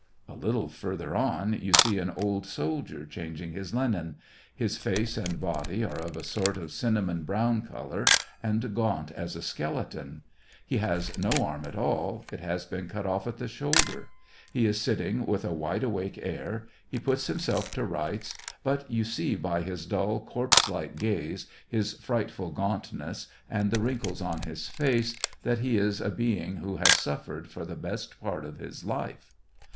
A little further on, you see an old soldier changing his linen. His face and body are of a sort of cinnamon brown color, and gaunt as a skeleton. He has no arm at all ; it has been cut off at the shoulder. He is sitting with a wide awake air, he puts himself to rights ; but you see, by his dull, corpse like gaze, his frightful gaunt ness, and the wrinkles on his face, that he is a be ing who has suffered for the best part of his life.